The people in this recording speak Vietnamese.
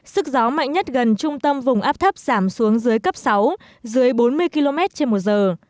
sức gió mạnh nhất gần trung tâm vùng áp thấp giảm xuống dưới cấp sáu dưới bốn mươi km trên một giờ